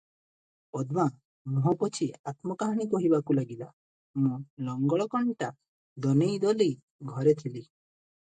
"ପଦ୍ମା ମୁହଁ ପୋଛି ଆତ୍ମକାହାଣୀ କହିବାକୁ ଲାଗିଲା, "ମୁଁ ଲଙ୍ଗଳକଣ୍ଟା ଦନେଇ ଦଳେଇ ଘରେ ଥିଲି ।